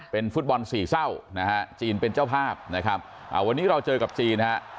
เป็นฟุตบอลสี่เศร้านะฮะจีนเป็นเจ้าภาพนะครับวันนี้เราเจอกับจีนฮะ